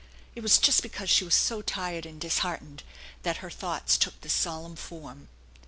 It was just because she was so tired and disheartened that her thoughts took this solemn form.